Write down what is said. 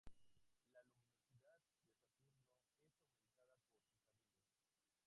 La luminosidad de Saturno es aumentada por sus anillos.